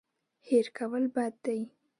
هېر کول بد دی.